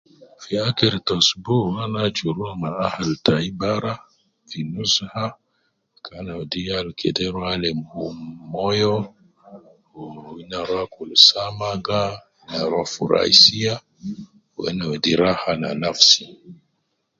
Fi akhir te ousbu ana aju rua ma ahal tai bara ,fi nuhsa kana wedi yal kede rua alim hum moyo wu na rua akul samaga na rua furai sia wu na wedi raha ne nafsi